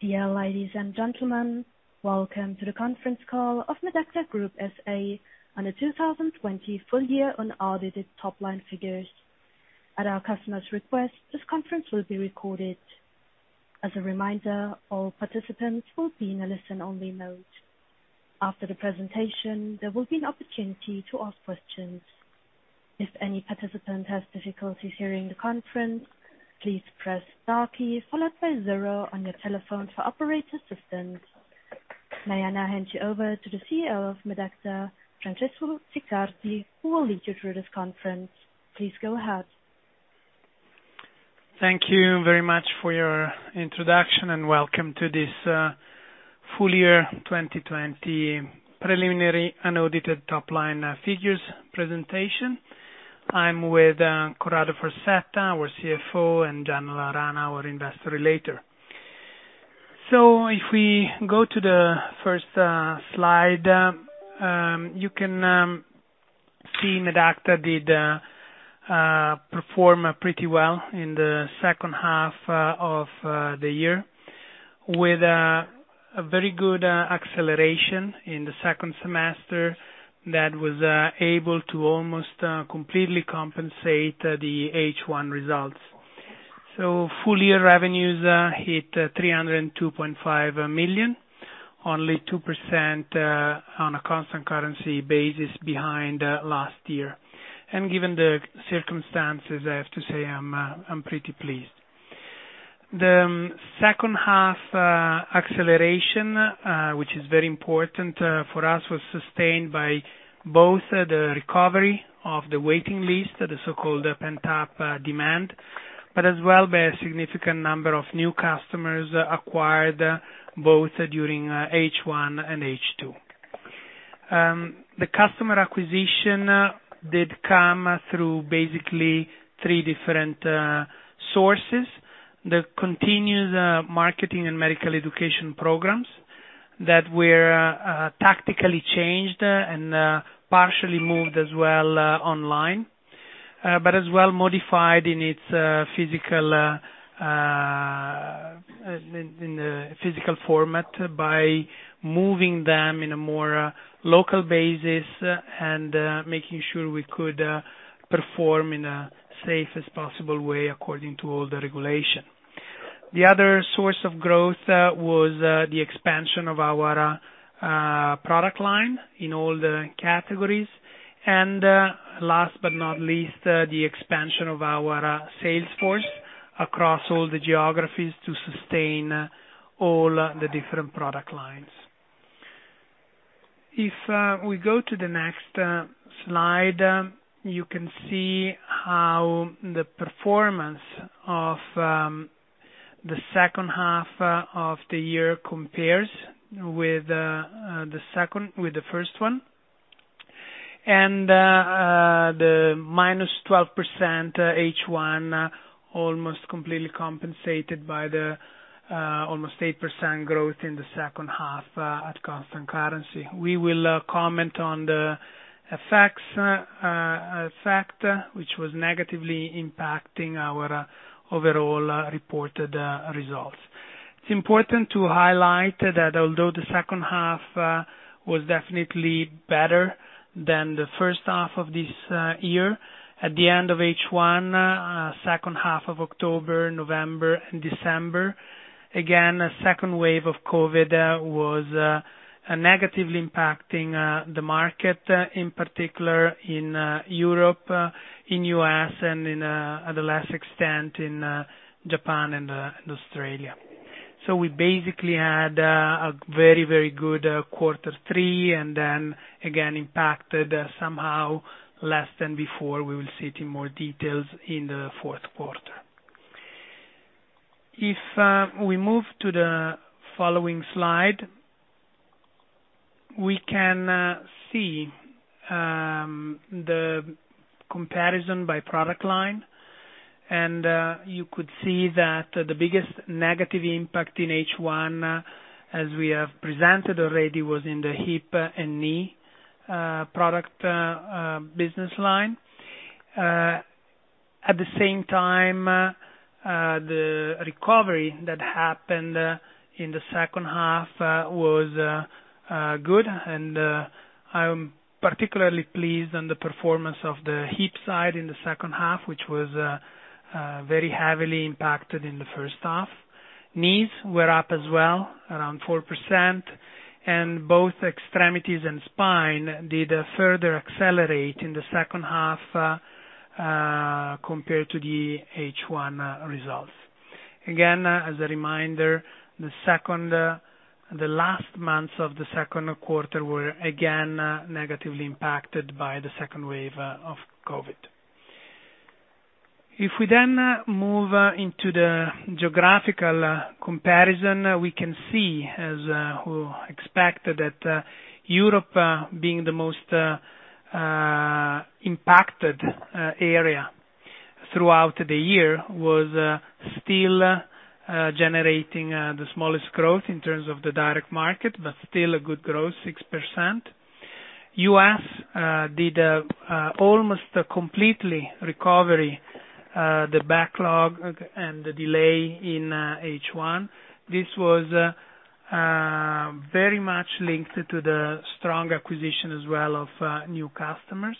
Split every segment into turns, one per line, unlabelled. Dear ladies and gentlemen, welcome to the conference call of Medacta Group SA on the 2020 full year unaudited top line figures. At our customer's request, this conference will be recorded. As a reminder, all participants will be in a listen-only mode. After the presentation, there will be an opportunity to ask questions. If any participant has difficulties hearing the conference, please press star key followed by zero on your telephone for operator assistance. May I now hand you over to the CEO of Medacta, Francesco Siccardi, who will lead you through this conference. Please go ahead.
Thank you very much for your introduction, and welcome to this full year 2020 preliminary unaudited top-line figures presentation. I'm with Corrado Farsetta, our CFO, and Gianna La Rana, our investor relator. If we go to the first slide, you can see Medacta did perform pretty well in the second half of the year, with a very good acceleration in the second semester that was able to almost completely compensate the H1 results. Full-year revenues hit 302.5 million, only 2% on a constant currency basis behind last year. Given the circumstances, I have to say I'm pretty pleased. The second half acceleration, which is very important for us, was sustained by both the recovery of the waiting list, the so-called pent-up demand, but as well by a significant number of new customers acquired both during H1 and H2. The customer acquisition did come through basically three different sources. The continued marketing and medical education programs that were tactically changed and partially moved as well online, as well modified in its physical format by moving them in a more local basis and making sure we could perform in a safest possible way according to all the regulation. The other source of growth was the expansion of our product line in all the categories. Last but not least, the expansion of our sales force across all the geographies to sustain all the different product lines. If we go to the next slide, you can see how the performance of the second half of the year compares with the first one. The -12% H1 almost completely compensated by the almost 8% growth in the second half at constant currency. We will comment on the FX factor, which was negatively impacting our overall reported results. It is important to highlight that although the second half was definitely better than the first half of this year, at the end of H1, second half of October, November, and December, again, a second wave of COVID was negatively impacting the market, in particular in Europe, in U.S., and at a lesser extent, in Japan and Australia. We basically had a very, very good quarter three, and then again, impacted somehow less than before. We will see it in more details in the fourth quarter. If we move to the following slide, we can see the comparison by product line. You could see that the biggest negative impact in H1, as we have presented already, was in the hip and knee product business line. At the same time, the recovery that happened in the second half was good, and I am particularly pleased on the performance of the hip side in the second half, which was very heavily impacted in the first half. Knees were up as well, around 4%, and both extremities and spine did further accelerate in the second half compared to the H1 results. As a reminder, the last months of the second quarter were again negatively impacted by the second wave of COVID. If we then move into the geographical comparison, we can see, as we expected, that Europe, being the most impacted area throughout the year, was still generating the smallest growth in terms of the direct market, but still a good growth, 6%. U.S. did almost completely recover the backlog and the delay in H1. This was very much linked to the strong acquisition as well of new customers.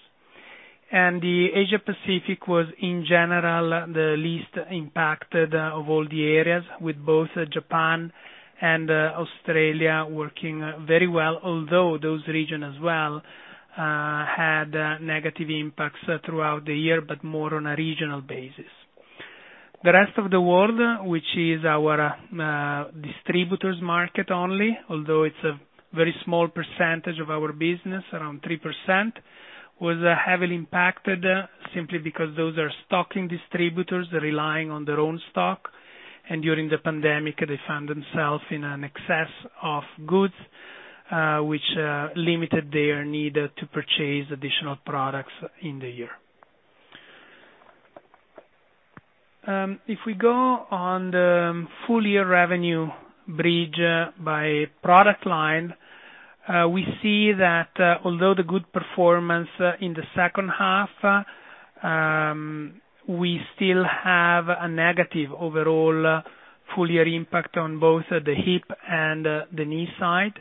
The Asia Pacific was, in general, the least impacted of all the areas, with both Japan and Australia working very well, although those regions as well had negative impacts throughout the year, more on a regional basis. The rest of the world, which is our distributors market only, although it's a very small percentage of our business, around 3%, was heavily impacted simply because those are stocking distributors relying on their own stock, and during the pandemic, they found themselves in an excess of goods, which limited their need to purchase additional products in the year. If we go on the full-year revenue bridge by product line, we see that although the good performance in the second half, we still have a negative overall full-year impact on both the hip and the knee side.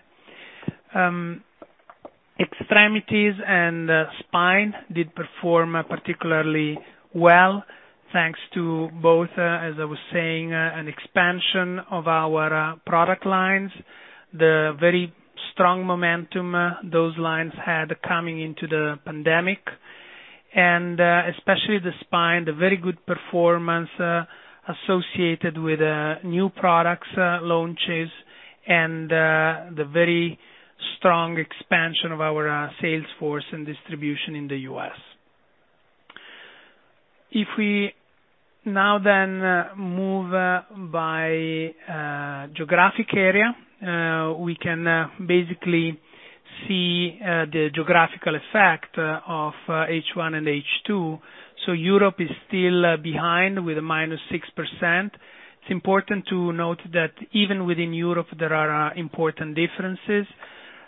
Extremities and spine did perform particularly well thanks to both, as I was saying, an expansion of our product lines, the very strong momentum those lines had coming into the pandemic, and especially the spine, the very good performance associated with new products launches and the very strong expansion of our sales force and distribution in the U.S. If we now then move by geographic area, we can basically see the geographical effect of H1 and H2. Europe is still behind with a -6%. It's important to note that even within Europe, there are important differences.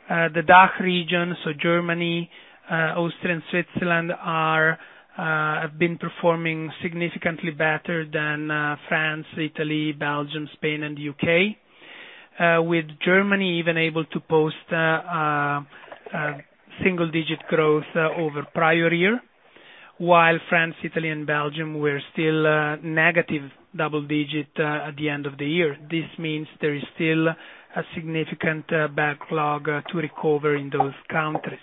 The DACH region, so Germany, Austria, and Switzerland, have been performing significantly better than France, Italy, Belgium, Spain, and the U.K., with Germany even able to post a single-digit growth over prior year, while France, Italy, and Belgium were still negative double digit at the end of the year. This means there is still a significant backlog to recover in those countries.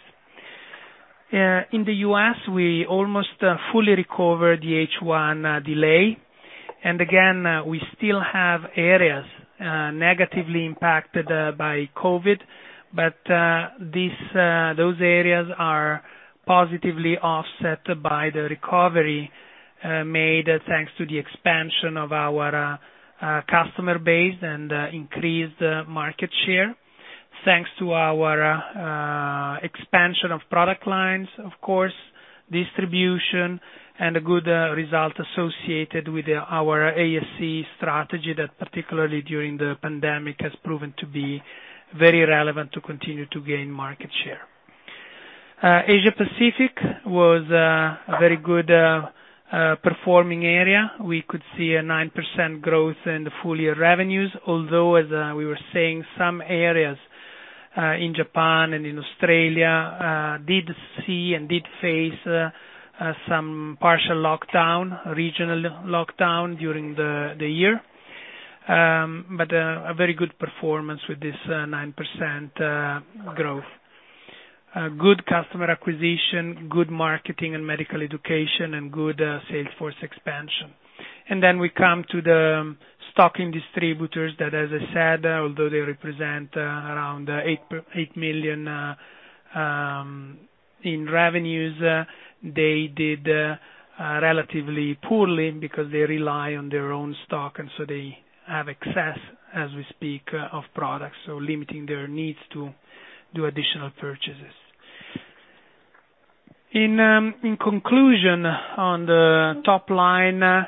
In the U.S., we almost fully recovered the H1 delay. Again, we still have areas negatively impacted by COVID, but those areas are positively offset by the recovery made thanks to the expansion of our customer base and increased market share, thanks to our expansion of product lines, of course, distribution, and a good result associated with our ASC strategy that particularly during the pandemic, has proven to be very relevant to continue to gain market share. Asia Pacific was a very good performing area. We could see a 9% growth in the full-year revenues, although, as we were saying, some areas in Japan and in Australia did see and did face some partial regional lockdown during the year. A very good performance with this 9% growth. Good customer acquisition, good marketing and medical education, and good sales force expansion. Then we come to the stocking distributors that, as I said, although they represent around 8 million in revenues, they did relatively poorly because they rely on their own stock, they have excess, as we speak, of products, limiting their needs to do additional purchases. In conclusion, on the top line,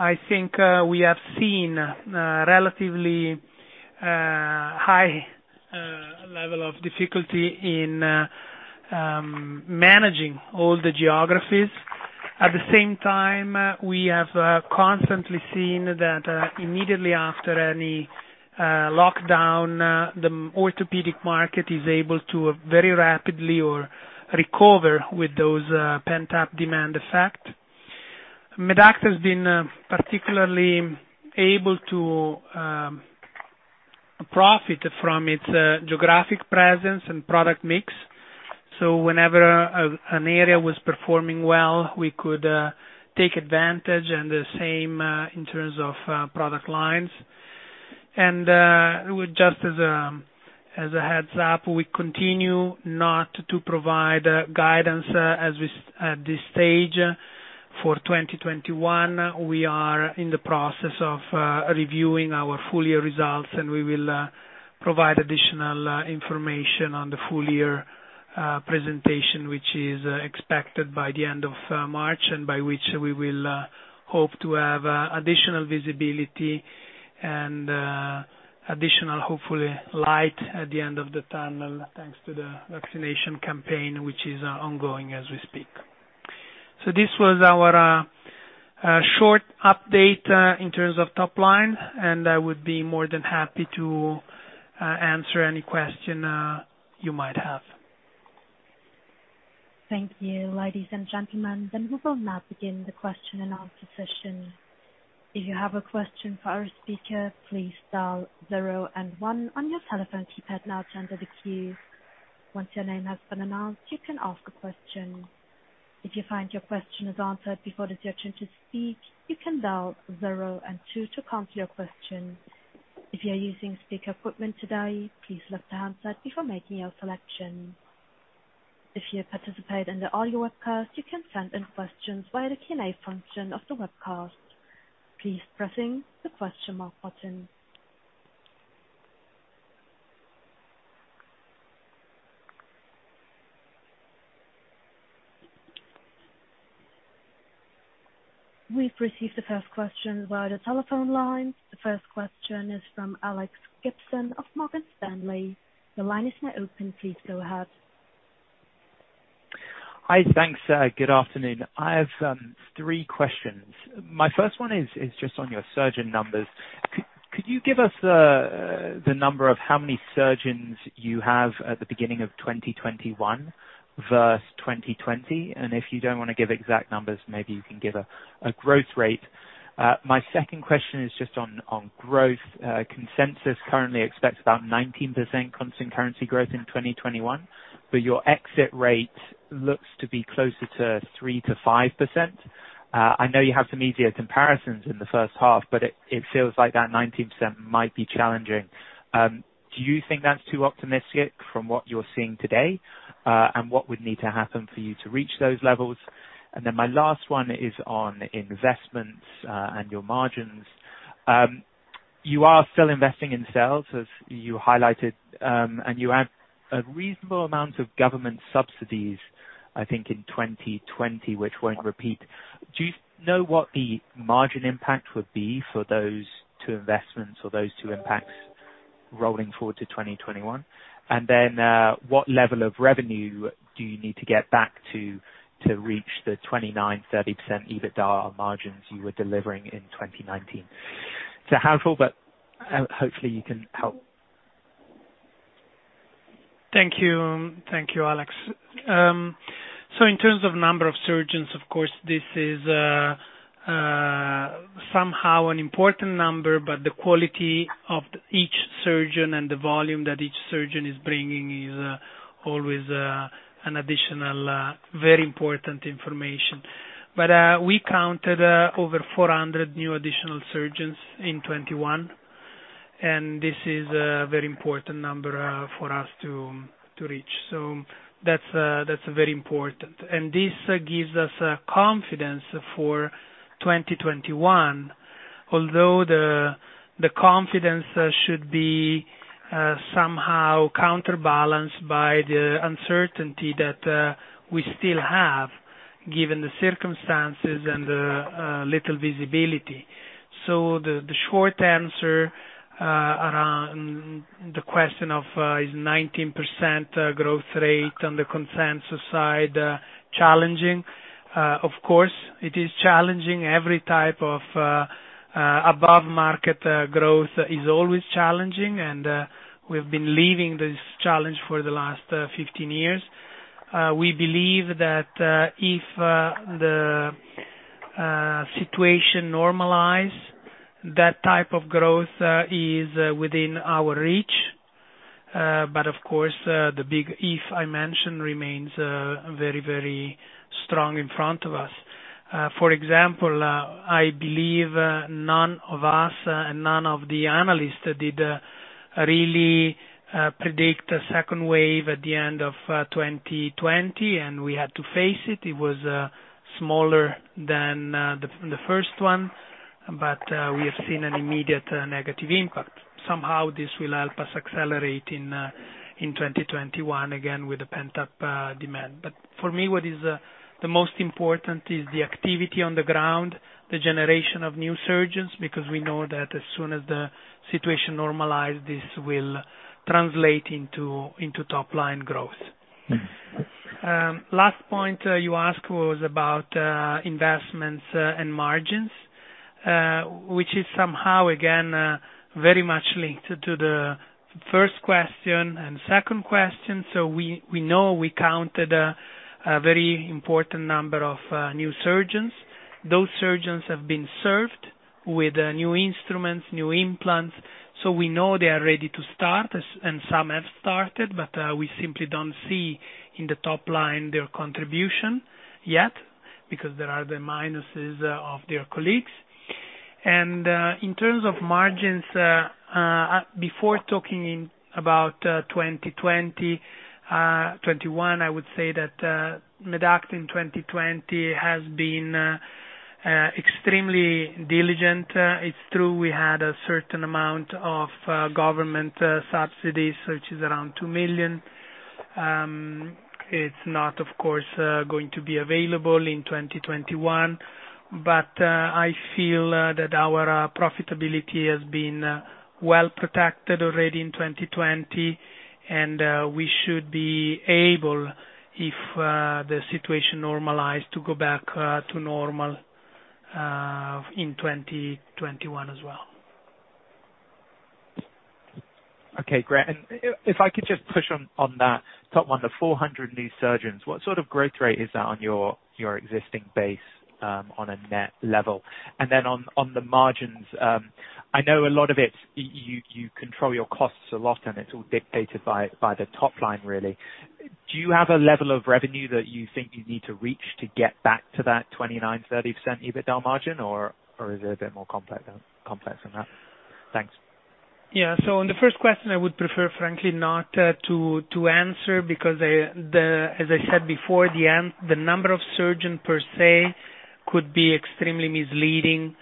I think we have seen a relatively high level of difficulty in managing all the geographies. At the same time, we have constantly seen that immediately after any lockdown, the orthopedic market is able to very rapidly recover with those pent-up demand effect. Medacta has been particularly able to profit from its geographic presence and product mix. Whenever an area was performing well, we could take advantage, and the same in terms of product lines. Just as a heads-up, we continue not to provide guidance at this stage for 2021. We are in the process of reviewing our full-year results, and we will provide additional information on the full-year presentation, which is expected by the end of March, and by which we will hope to have additional visibility, and additional, hopefully light at the end of the tunnel, thanks to the vaccination campaign, which is ongoing as we speak. This was our short update, in terms of top line, and I would be more than happy to answer any question you might have.
Thank you, ladies and gentlemen. We will now begin the question and answer session. If you have a question for our speaker, please dial zero and one on your telephone keypad now to enter the queue. Once your name has been announced, you can ask a question. If you find your question is answered before it is your turn to speak, you can dial zero and two to cancel your question. If you are using speaker equipment today, please lift the handset before making your selection. If you participate in the audio webcast, you can send in questions via the Q&A function of the webcast. Please pressing the question mark button. We've received the first question via the telephone line. The first question is from Alex Gibson of Morgan Stanley. The line is now open. Please go ahead.
Hi, thanks. Good afternoon. I have three questions. My first one is just on your surgeon numbers. Could you give us the number of how many surgeons you have at the beginning of 2021 versus 2020? If you don't want to give exact numbers, maybe you can give a growth rate. My second question is just on growth. Consensus currently expects about 19% constant currency growth in 2021. Your exit rate looks to be closer to 3%-5%. I know you have some easier comparisons in the first half, but it feels like that 19% might be challenging. Do you think that's too optimistic from what you're seeing today? What would need to happen for you to reach those levels? My last one is on investments, and your margins. You are still investing in sales, as you highlighted, and you had a reasonable amount of government subsidies, I think, in 2020, which won't repeat. Do you know what the margin impact would be for those two investments or those two impacts rolling forward to 2021? What level of revenue do you need to get back to reach the 29%-30% EBITDA margins you were delivering in 2019? It's a handful, but hopefully you can help.
Thank you, Alex. In terms of number of surgeons, of course, this is somehow an important number, but the quality of each surgeon and the volume that each surgeon is bringing is always an additional very important information. We counted over 400 new additional surgeons in 2021, and this is a very important number for us to reach. That's very important. This gives us confidence for 2021, although the confidence should be somehow counterbalanced by the uncertainty that we still have given the circumstances and the little visibility. The short answer around the question of, is 19% growth rate on the consensus side challenging? Of course, it is challenging. Every type of above-market growth is always challenging, and we've been leaving this challenge for the last 15 years. We believe that if the situation normalize, that type of growth is within our reach. Of course, the big if I mentioned remains very, very strong in front of us. For example, I believe none of us and none of the analysts did really predict a second wave at the end of 2020, and we had to face it. It was smaller than the first one, but we have seen an immediate negative impact. Somehow this will help us accelerate in 2021, again, with the pent-up demand. For me, what is the most important is the activity on the ground, the generation of new surgeons, because we know that as soon as the situation normalize, this will translate into top-line growth. Last point you asked was about investments and margins, which is somehow, again, very much linked to the first question and second question. We know we counted a very important number of new surgeons. Those surgeons have been served with new instruments, new implants, so we know they are ready to start and some have started, but we simply don't see in the top line their contribution yet because there are the minuses of their colleagues. In terms of margins, before talking about 2020, 2021, I would say that Medacta in 2020 has been extremely diligent. It's true we had a certain amount of government subsidies, which is around 2 million. It's not, of course, going to be available in 2021. I feel that our profitability has been well-protected already in 2020, and we should be able, if the situation normalized, to go back to normal in 2021 as well.
Okay, great. If I could just push on that top one, the 400 new surgeons, what sort of growth rate is that on your existing base on a net level? On the margins, I know a lot of it, you control your costs a lot, and it's all dictated by the top line, really. Do you have a level of revenue that you think you need to reach to get back to that 29%, 30% EBITDA margin, or is it a bit more complex than that? Thanks.
Yeah. On the first question, I would prefer, frankly, not to answer because, as I said before, the number of surgeons per se could be extremely misleading,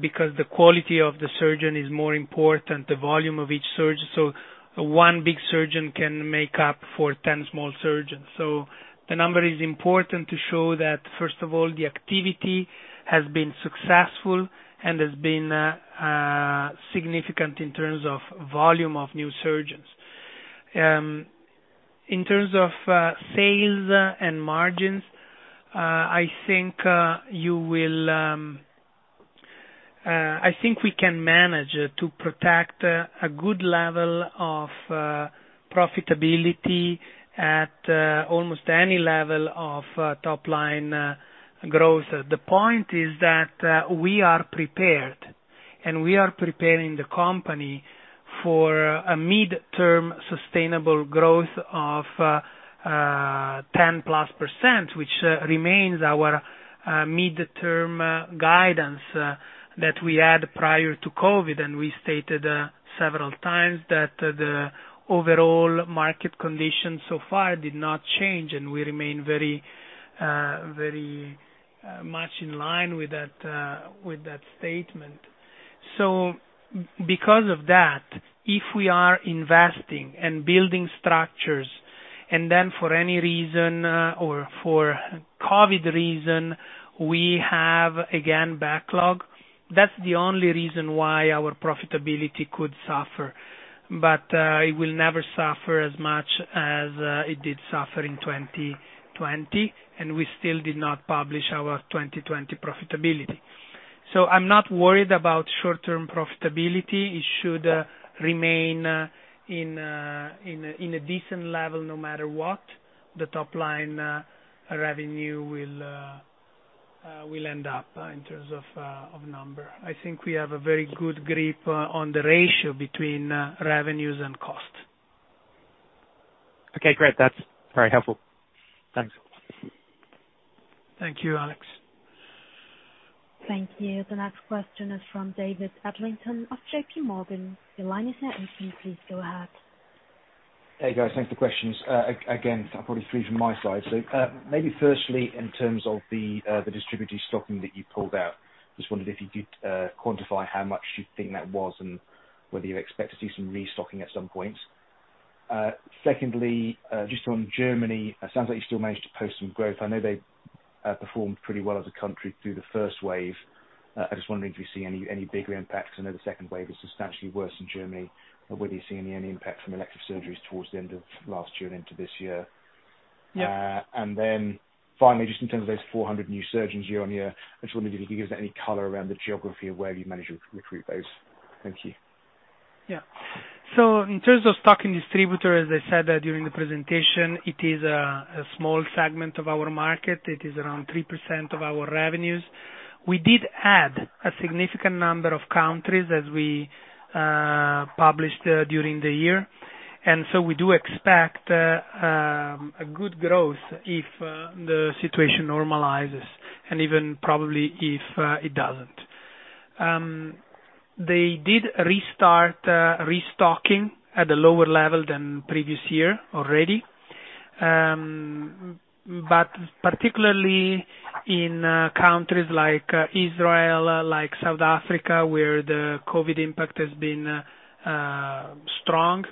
because the quality of the surgeon is more important, the volume of each surgeon. One big surgeon can make up for 10 small surgeons. The number is important to show that, first of all, the activity has been successful and has been significant in terms of volume of new surgeons. In terms of sales and margins, I think we can manage to protect a good level of profitability at almost any level of top-line growth. The point is that we are prepared, and we are preparing the company for a midterm sustainable growth of 10%+, which remains our midterm guidance that we had prior to COVID. We stated several times that the overall market conditions so far did not change, and we remain very much in line with that statement. Because of that, if we are investing and building structures, and then for any reason or for COVID reason, we have, again, backlog, that's the only reason why our profitability could suffer. It will never suffer as much as it did suffer in 2020, and we still did not publish our 2020 profitability. I'm not worried about short-term profitability. It should remain in a decent level no matter what the top-line revenue will end up in terms of number. I think we have a very good grip on the ratio between revenues and cost.
Okay, great. That's very helpful. Thanks.
Thank you, Alex.
Thank you. The next question is from David Adlington of JPMorgan. Your line is now open. Please go ahead.
Hey, guys. Thanks for the questions. Again, I've got a few from my side. Maybe firstly, in terms of the distributor stocking that you pulled out, just wondered if you could quantify how much you think that was and whether you expect to see some restocking at some point. Secondly, just on Germany, it sounds like you still managed to post some growth. I know they performed pretty well as a country through the first wave. I'm just wondering if you see any bigger impacts. I know the second wave is substantially worse in Germany, whether you're seeing any impact from elective surgeries towards the end of last year and into this year. Finally, just in terms of those 400 new surgeons year-on-year, I just wonder if you could give us any color around the geography of where you managed to recruit those. Thank you.
Yeah. In terms of stocking distributor, as I said during the presentation, it is a small segment of our market. It is around 3% of our revenues. We did add a significant number of countries as we published during the year. We do expect a good growth if the situation normalizes and even probably if it doesn't. They did restart restocking at a lower level than previous year already. Particularly in countries like Israel, like South Africa, where the COVID impact has been strong,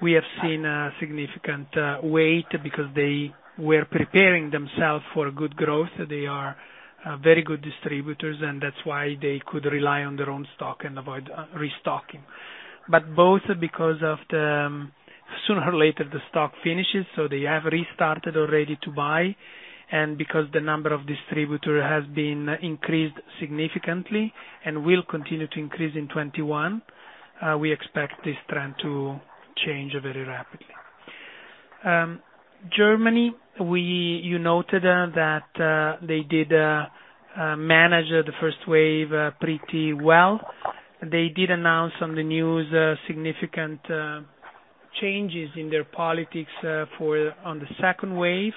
we have seen a significant wait because they were preparing themselves for good growth. They are very good distributors, and that's why they could rely on their own stock and avoid restocking. Both because of sooner or later, the stock finishes, so they have restarted already to buy, and because the number of distributor has been increased significantly and will continue to increase in 2021, we expect this trend to change very rapidly. Germany, you noted that they did manage the first wave pretty well. They did announce on the news significant changes in their policies on the second wave.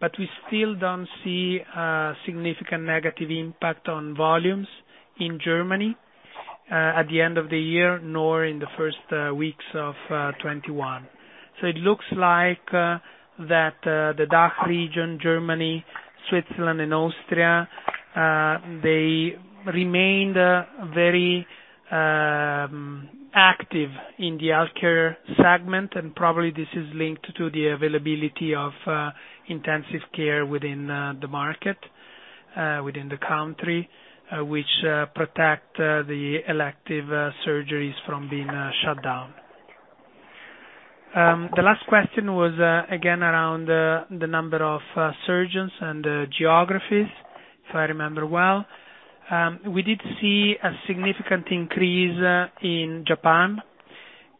But we still don't see a significant negative impact on volumes in Germany at the end of the year, nor in the first weeks of 2021. It looks like that the DACH region, Germany, Switzerland, and Austria, they remained very active in the healthcare segment, and probably this is linked to the availability of intensive care within the market, within the country, which protect the elective surgeries from being shut down. The last question was again around the number of surgeons and geographies, if I remember well. We did see a significant increase in Japan.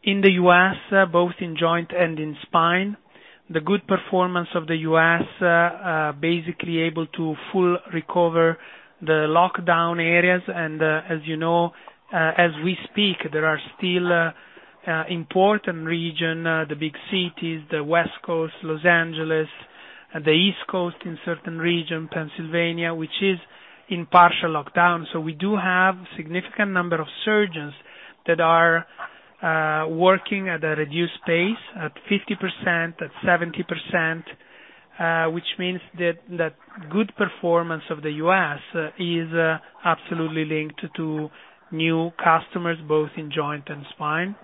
In the U.S., both in joint and in spine, the good performance of the U.S. basically able to fully recover the lockdown areas. As you know, as we speak, there are still important regions, the big cities, the West Coast, Los Angeles, the East Coast in certain regions, Pennsylvania, which is in partial lockdown. We do have significant number of surgeons that are working at a reduced pace, at 50%, at 70%, which means that good performance of the U.S. is absolutely linked to new customers, both in joint and spine.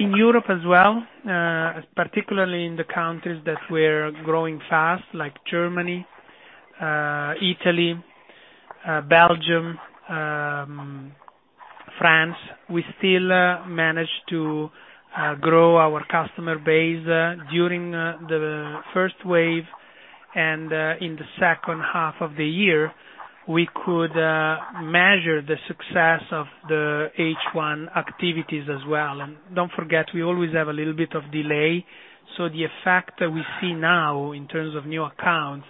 In Europe as well, particularly in the countries that we're growing fast, like Germany, Italy, Belgium, France, we still managed to grow our customer base during the first wave, and in the second half of the year, we could measure the success of the H1 activities as well. Don't forget, we always have a little bit of delay, so the effect that we see now in terms of new accounts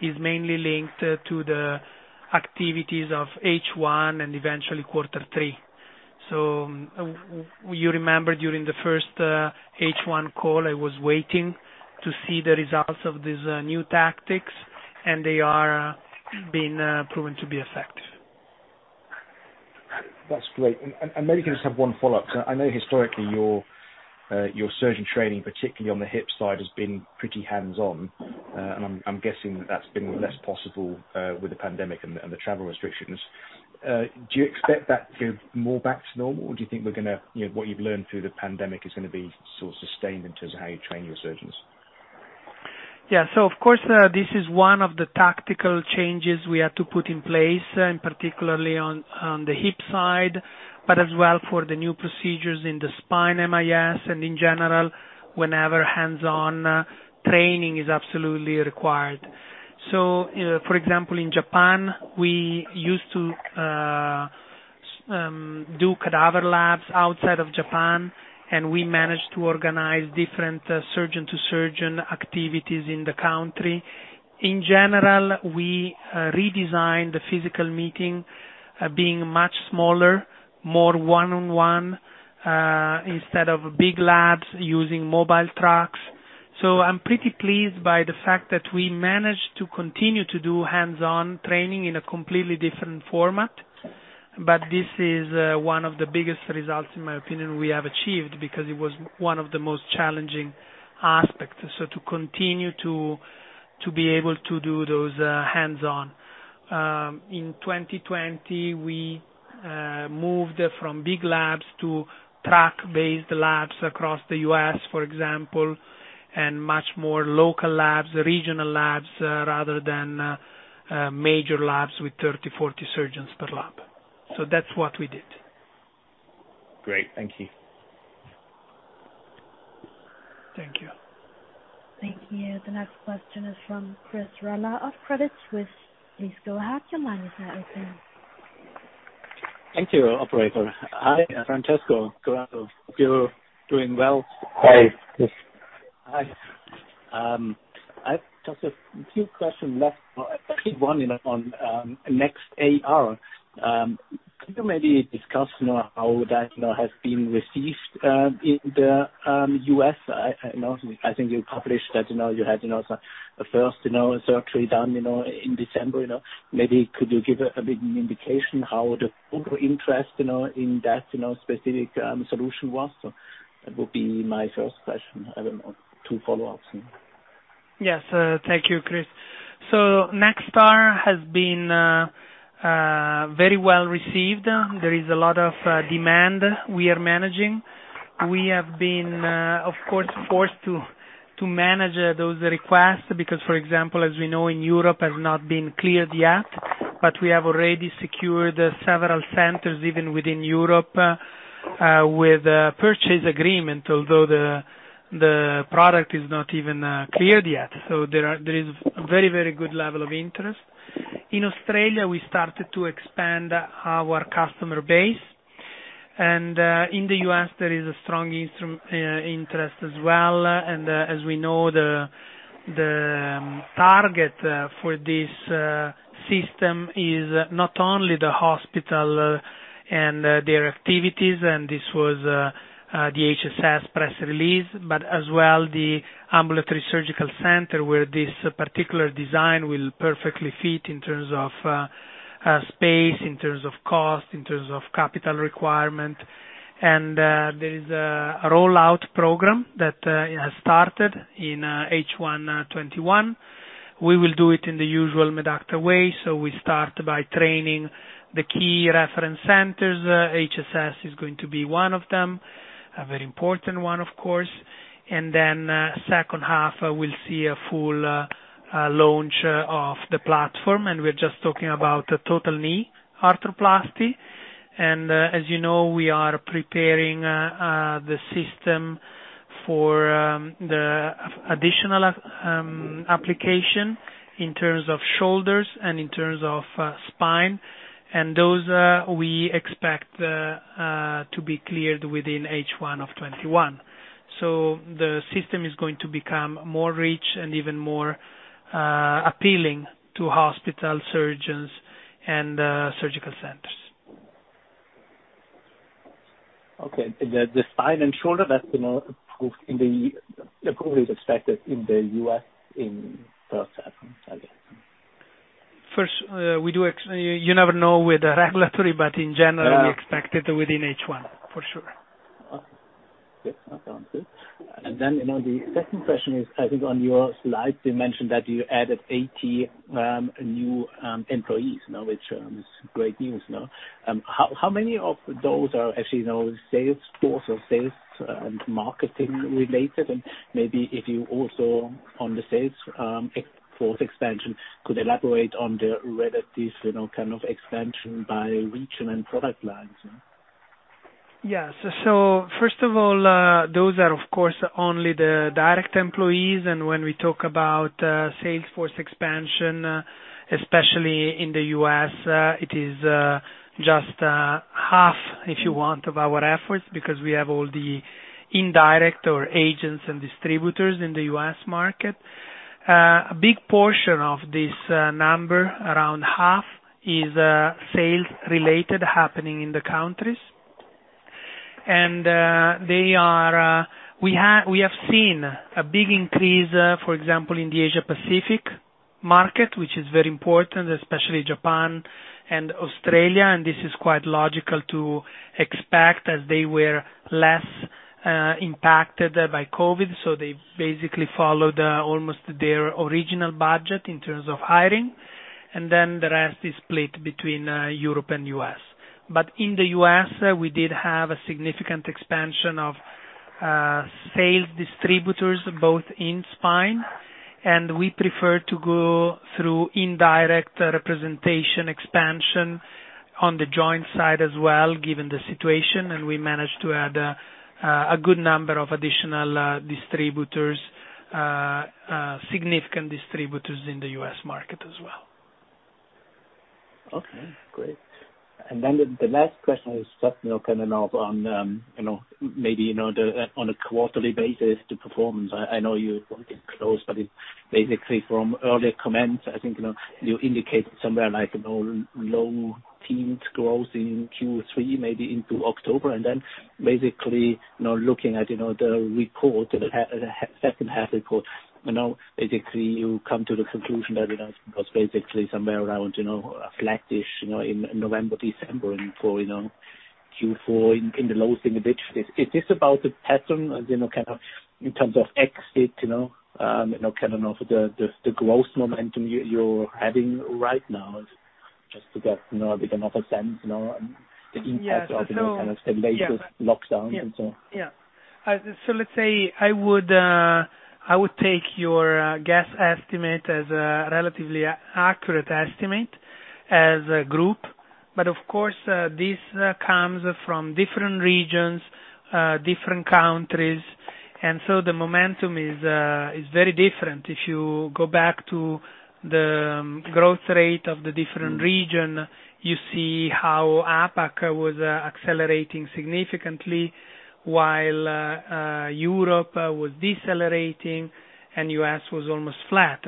is mainly linked to the activities of H1 and eventually quarter three. You remember during the first H1 call, I was waiting to see the results of these new tactics, and they are being proven to be effective.
That's great. Maybe can I just have one follow-up. I know historically, your surgeon training, particularly on the hip side, has been pretty hands-on, and I'm guessing that's been less possible with the pandemic and the travel restrictions. Do you expect that to be more back to normal? Or do you think what you've learned through the pandemic is going to be sort of sustained in terms of how you train your surgeons?
Of course, this is one of the tactical changes we had to put in place, and particularly on the hip side, but as well for the new procedures in the spine MIS, and in general, whenever hands-on training is absolutely required. For example, in Japan, we used to do cadaver labs outside of Japan, and we managed to organize different surgeon-to-surgeon activities in the country. In general, we redesigned the physical meeting being much smaller, more one-on-one, instead of big labs using mobile trucks. I'm pretty pleased by the fact that we managed to continue to do hands-on training in a completely different format. This is one of the biggest results, in my opinion, we have achieved because it was one of the most challenging aspects. To continue to be able to do those hands-on. In 2020, we moved from big labs to truck-based labs across the U.S., for example, and much more local labs, regional labs, rather than major labs with 30, 40 surgeons per lab. That's what we did.
Great. Thank you.
Thank you.
Thank you. The next question is from Chris Rella of Credit Suisse. Please go ahead. Your line is now open.
Thank you, operator. Hi, Francesco. Hope you're doing well.
Hi, Chris.
Hi. I've just a few questions left. Actually, one on NextAR. Could you maybe discuss how that has been received in the U.S.? I think you published that you had the first surgery done in December. Maybe could you give a bit of an indication how the overall interest in that specific solution was? That would be my first question. I don't know. Two follow-ups.
Yes. Thank you, Chris. NextAR has been very well received. There is a lot of demand we are managing. We have been, of course, forced to manage those requests because, for example, as we know, in Europe has not been cleared yet. We have already secured several centers even within Europe, with a purchase agreement, although the product is not even cleared yet. There is a very good level of interest. In Australia, we started to expand our customer base, and in the U.S., there is a strong interest as well, and as we know, the target for this system is not only the hospital and their activities, and this was the HSS press release, but as well the Ambulatory Surgery Center where this particular design will perfectly fit in terms of space, in terms of cost, in terms of capital requirement. There is a rollout program that has started in H1 2021. We will do it in the usual Medacta way. We start by training the key reference centers. HSS is going to be one of them, a very important one, of course. Then second half, we'll see a full launch of the platform, and we're just talking about total knee arthroplasty. As you know, we are preparing the system for the additional application in terms of shoulders and in terms of spine. Those we expect to be cleared within H1 2021. The system is going to become more rich and even more appealing to hospital surgeons and surgical centers.
Okay. The spine and shoulder, the approval is expected in the U.S. in first half, I guess.
First, you never know with the regulatory, but in general. We expect it within H1, for sure.
Okay. Yes, that sounds good. The second question is, I think on your slides, you mentioned that you added 80 new employees, which is great news. How many of those are actually sales force or sales and marketing related? Maybe if you also, on the sales force expansion, could elaborate on the relative expansion by region and product lines.
Yes. First of all, those are, of course, only the direct employees. When we talk about sales force expansion, especially in the U.S., it is just half, if you want, of our efforts, because we have all the indirect or agents and distributors in the U.S. market. A big portion of this number, around half, is sales-related happening in the countries. We have seen a big increase, for example, in the Asia Pacific market, which is very important, especially Japan and Australia. This is quite logical to expect as they were less impacted by COVID. They basically followed almost their original budget in terms of hiring. The rest is split between Europe and U.S. In the U.S., we did have a significant expansion of sales distributors, both in spine, and we prefer to go through indirect representation expansion on the joint side as well, given the situation. We managed to add a good number of additional distributors, significant distributors in the U.S. market as well.
Okay, great. The last question is just on, maybe on a quarterly basis, the performance. I know you won't get close, but basically from earlier comments, I think you indicated somewhere like low teens growth in Q3, maybe into October. Basically, looking at the second half report, basically you come to the conclusion that it was basically somewhere around a flattish in November, December and for Q4 in the low single digits. Is this about the pattern in terms of exit, the growth momentum you're having right now? On the impact of kind of the latest lockdown and so on.
Yeah. Let's say, I would take your guess estimate as a relatively accurate estimate as a group. Of course, this comes from different regions, different countries. The momentum is very different. If you go back to the growth rate of the different region, you see how APAC was accelerating significantly while Europe was decelerating and U.S. was almost flat.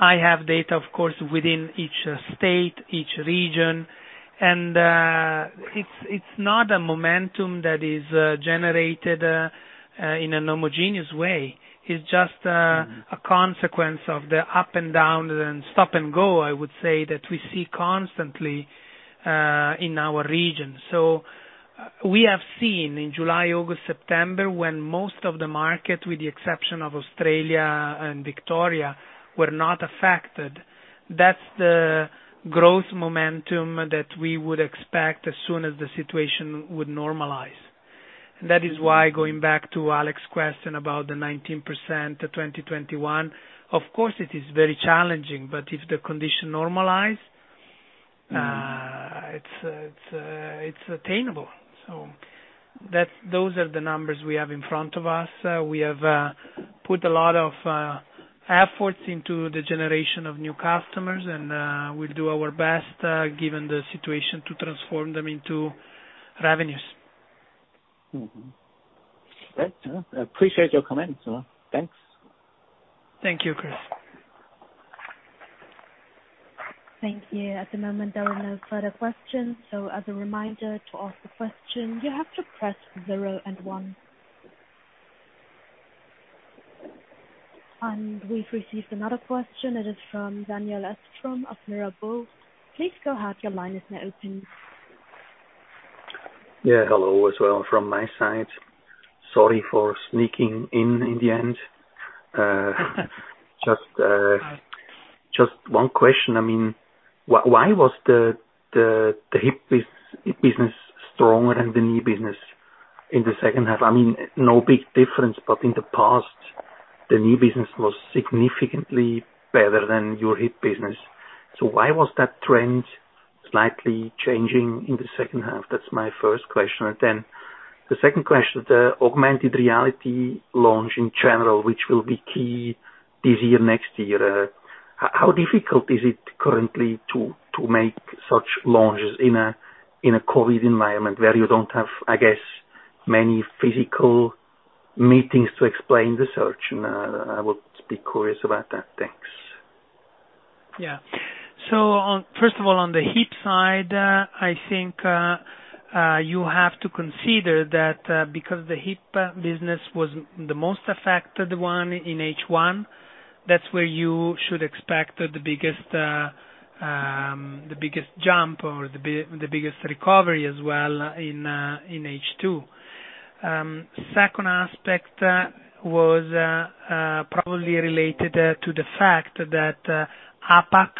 I have data, of course, within each state, each region. It's not a momentum that is generated in an homogeneous way. It's just a consequence of the up and down and stop and go, I would say, that we see constantly in our region. We have seen in July, August, September, when most of the market, with the exception of Australia and Victoria, were not affected. That's the growth momentum that we would expect as soon as the situation would normalize. That is why going back to Alex's question about the 19% to 2021, of course, it is very challenging, but if the condition normalize, it's attainable. Those are the numbers we have in front of us. We have put a lot of efforts into the generation of new customers, and we'll do our best, given the situation, to transform them into revenues.
Great. I appreciate your comments. Thanks.
Thank you, Chris.
Thank you. At the moment, there are no further questions. As a reminder, to ask a question, you have to press zero and one. We've received another question. It is from Daniel Ostrom of Mirabaud. Please go ahead. Your line is now open.
Yeah. Hello as well from my side. Sorry for sneaking in in the end. Just one question. Why was the hip business stronger than the knee business in the second half? No big difference, in the past, the knee business was significantly better than your hip business. Why was that trend slightly changing in the second half? That's my first question. The second question, the augmented reality launch in general, which will be key this year, next year. How difficult is it currently to make such launches in a COVID environment where you don't have, I guess, many physical meetings to explain the surgery? I would be curious about that. Thanks.
First of all, on the hip side, I think you have to consider that because the hip business was the most affected one in H1, that's where you should expect the biggest jump or the biggest recovery as well in H2. Second aspect was probably related to the fact that APAC,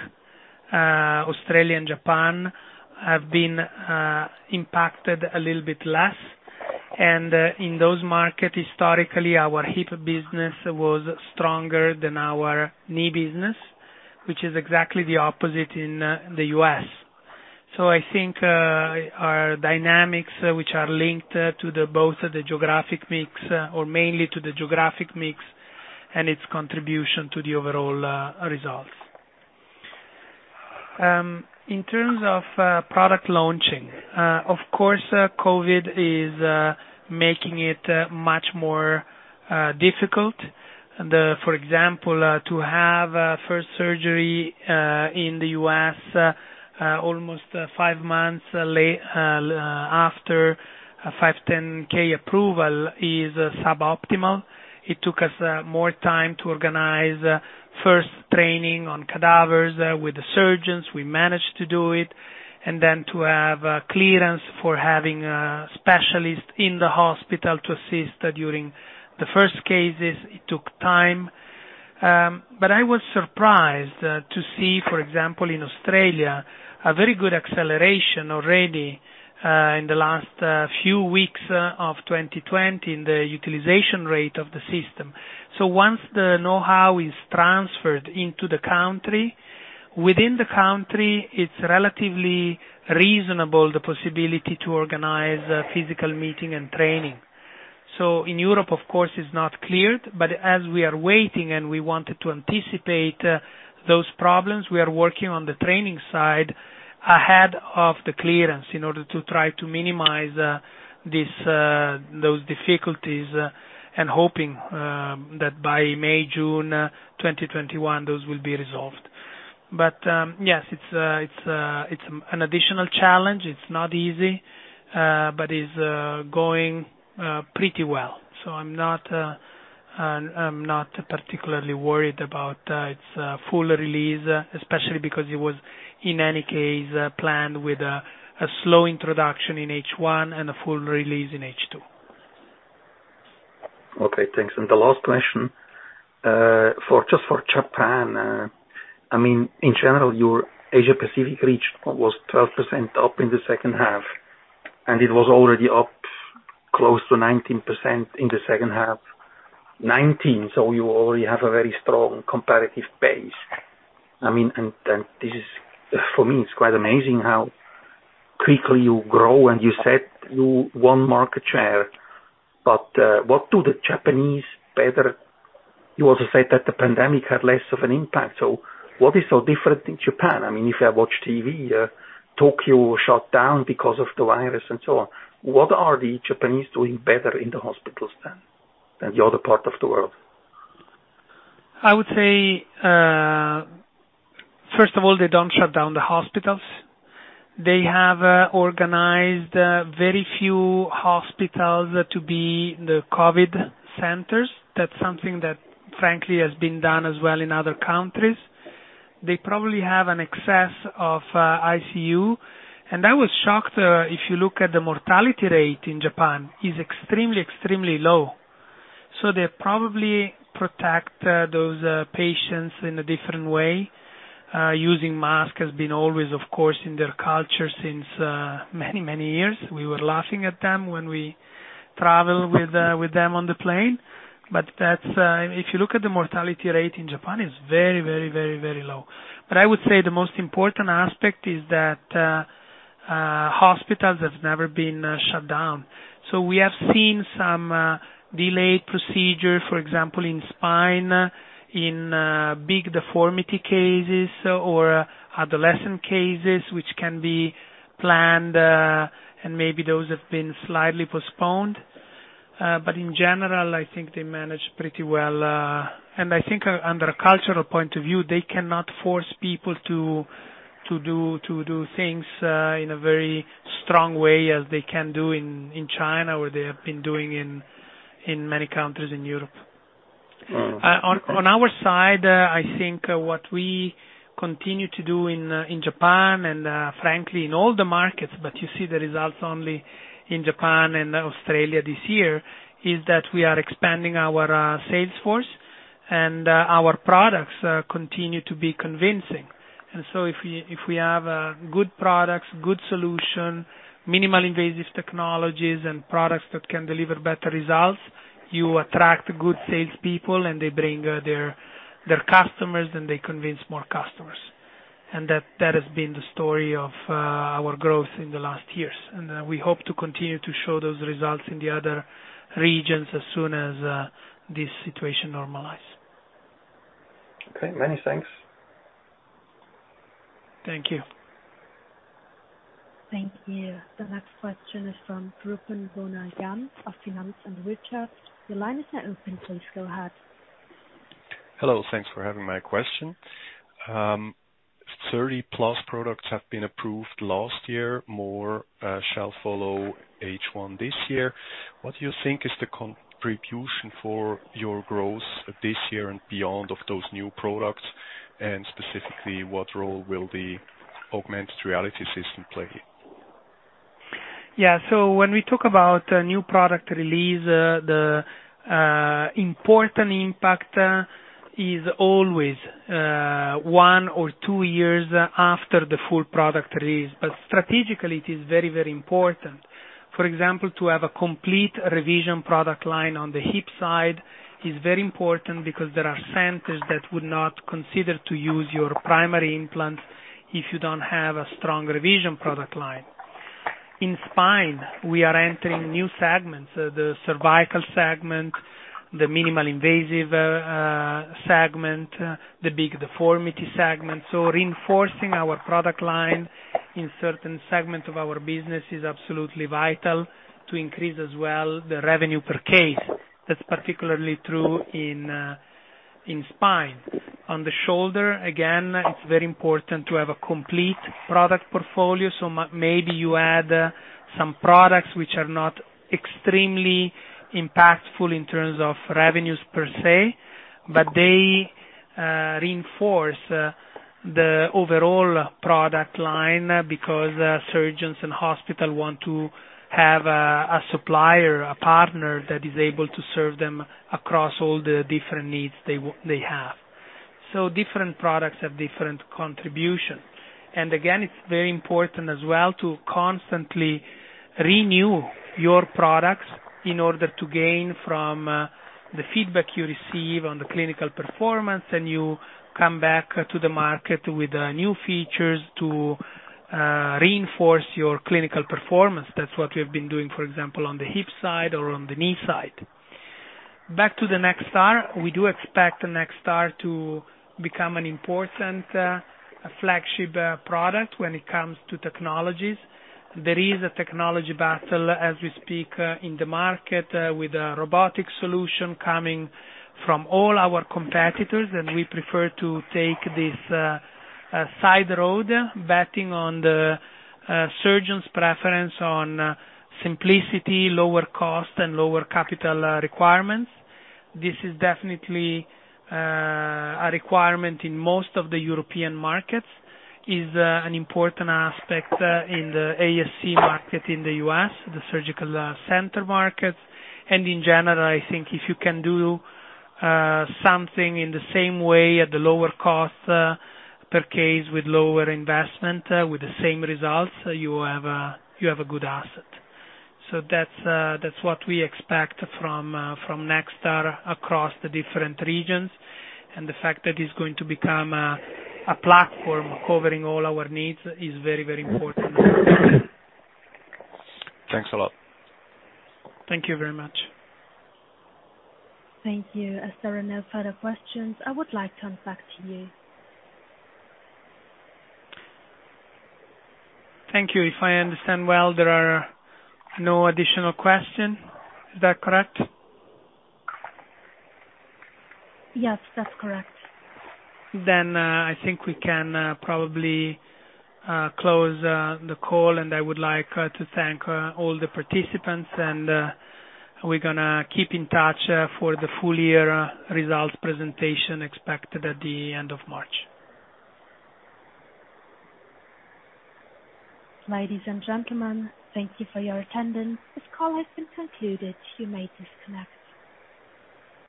Australia, and Japan have been impacted a little bit less. In those markets, historically, our hip business was stronger than our knee business, which is exactly the opposite in the U.S. I think our dynamics, which are linked to both the geographic mix or mainly to the geographic mix and its contribution to the overall results. In terms of product launching, of course, COVID is making it much more difficult. For example, to have a first surgery in the U.S. almost five months after 510 approval is suboptimal. It took us more time to organize first training on cadavers with the surgeons. We managed to do it, to have clearance for having a specialist in the hospital to assist during the first cases, it took time. I was surprised to see, for example, in Australia, a very good acceleration already in the last few weeks of 2020 in the utilization rate of the system. Once the know-how is transferred into the country, within the country, it's relatively reasonable, the possibility to organize a physical meeting and training. In Europe, of course, it's not cleared, as we are waiting and we wanted to anticipate those problems, we are working on the training side ahead of the clearance in order to try to minimize those difficulties, and hoping that by May, June 2021, those will be resolved. Yes, it's an additional challenge. It's not easy, but it's going pretty well. I'm not particularly worried about its full release, especially because it was, in any case, planned with a slow introduction in H1 and a full release in H2.
Okay, thanks. The last question, just for Japan. In general, your Asia-Pacific region was 12% up in the second half, and it was already up close to 19% in the second half 2019. You already have a very strong comparative base. For me, it's quite amazing how quickly you grow, and you said you won market share. What do the Japanese do better? You also said that the pandemic had less of an impact. What is so different in Japan? If I watch TV, Tokyo shut down because of the virus and so on. What are the Japanese doing better in the hospitals than the other parts of the world?
I would say, first of all, they don't shut down the hospitals. They have organized very few hospitals to be the COVID centers. That's something that, frankly, has been done as well in other countries. They probably have an excess of ICU. I was shocked, if you look at the mortality rate in Japan, it's extremely low. They probably protect those patients in a different way. Using mask has been always, of course, in their culture since many, many years. We were laughing at them when we travel with them on the plane. If you look at the mortality rate in Japan, it's very, very low. I would say the most important aspect is that hospitals have never been shut down. We have seen some delayed procedure, for example, in spine, in big deformity cases or adolescent cases, which can be planned, and maybe those have been slightly postponed. In general, I think they managed pretty well. I think under a cultural point of view, they cannot force people to do things in a very strong way as they can do in China or they have been doing in many countries in Europe. On our side, I think what we continue to do in Japan and frankly in all the markets, but you see the results only in Japan and Australia this year, is that we are expanding our sales force and our products continue to be convincing. If we have good products, good solution, minimally invasive technologies and products that can deliver better results, you attract good sales people and they bring their customers, and they convince more customers. That has been the story of our growth in the last years. We hope to continue to show those results in the other regions as soon as this situation normalize.
Okay. Many thanks.
Thank you.
Thank you. The next question is from Ruben Bonall-Gamms of Finanz und Wirtschaft. Your line is now open. Please go ahead.
Hello. Thanks for having my question. 30+ products have been approved last year. More shall follow H1 this year. What do you think is the contribution for your growth this year and beyond of those new products? Specifically, what role will the augmented reality system play?
Yeah. When we talk about new product release, the important impact is always one or two years after the full product release. Strategically, it is very important. For example, to have a complete revision product line on the hip side is very important because there are centers that would not consider to use your primary implant if you don't have a strong revision product line. In spine, we are entering new segments, the cervical segment, the minimal invasive segment, the big deformity segment. Reinforcing our product line in certain segment of our business is absolutely vital to increase as well, the revenue per case. That's particularly true in spine. On the shoulder, again, it's very important to have a complete product portfolio. Maybe you add some products which are not extremely impactful in terms of revenues per se. They reinforce the overall product line because surgeons and hospital want to have a supplier, a partner that is able to serve them across all the different needs they have. Different products have different contribution. Again, it's very important as well to constantly renew your products in order to gain from the feedback you receive on the clinical performance, and you come back to the market with new features to reinforce your clinical performance. That's what we have been doing, for example, on the hip side or on the knee side. Back to the NextAR. We do expect NextAR to become an important flagship product when it comes to technologies. There is a technology battle as we speak in the market, with a robotic solution coming from all our competitors. We prefer to take this side road, betting on the surgeon's preference on simplicity, lower cost, and lower capital requirements. This is definitely a requirement in most of the European markets, is an important aspect in the ASC market in the U.S., the surgical center market. In general, I think if you can do something in the same way at the lower cost per case with lower investment with the same results, you have a good asset. That's what we expect from NextAR across the different regions. The fact that it's going to become a platform covering all our needs is very important.
Thanks a lot.
Thank you very much.
Thank you. As there are no further questions, I would like to come back to you.
Thank you. If I understand well, there are no additional question. Is that correct?
Yes, that's correct.
I think we can probably close the call, and I would like to thank all the participants and we're going to keep in touch for the full year results presentation expected at the end of March.
Ladies and gentlemen, thank you for your attendance. This call has been concluded. You may disconnect.